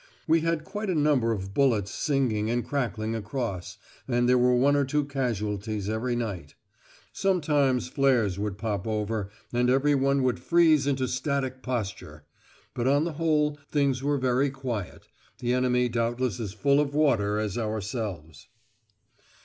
We had quite a number of bullets singing and cracking across, and there were one or two casualties every night. Sometimes flares would pop over, and every one would freeze into static posture; but on the whole things were very quiet, the enemy doubtless as full of water as ourselves.